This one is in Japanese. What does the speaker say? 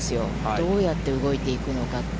どうやって動いていくのか。